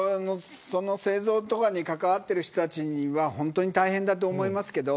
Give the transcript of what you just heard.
製造とかに関わってる人たちは本当に大変だと思いますけど。